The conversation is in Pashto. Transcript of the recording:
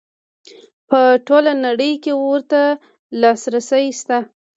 په ټوله نړۍ کې ورته لاسرسی شته.